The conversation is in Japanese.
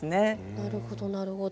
なるほどなるほど。